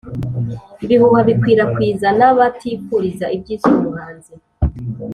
ibihuha bikwirakwiza n'abatifuriza ibyiza uyu muhanzi